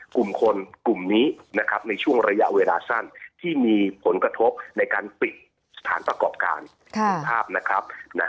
กลุ่มคนกลุ่มนี้ในช่วงระยะเวลาสั้นที่มีผลกระทบในการปิดสถานประกอบการคุณภาพนะครับ